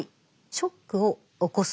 ショックを起こす。